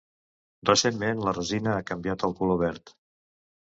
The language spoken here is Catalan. Recentment, la resina ha canviat al color verd.